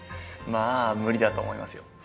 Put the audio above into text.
まあ無理だと思いますよ。